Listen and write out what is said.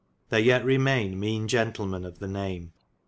There yet remayne meene gentilmen of the name.